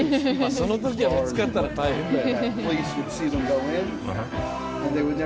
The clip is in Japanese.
その時は見つかったら大変だよ。